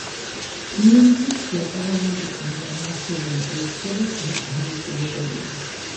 იურისდიქცია პარლამენტისგან და აღმასრულებელი ხელისუფლებისგან დამოუკიდებელია.